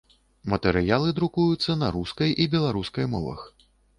Матэрыялы друкуюцца на рускай і беларускай мовах.